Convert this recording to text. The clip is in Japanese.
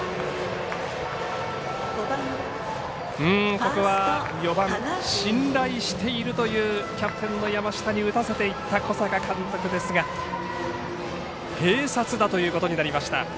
ここは４番信頼しているというキャプテンの山下に打たせにいった小坂監督ですが併殺打ということになりました。